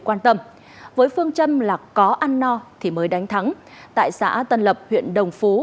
quan tâm với phương châm là có ăn no thì mới đánh thắng tại xã tân lập huyện đồng phú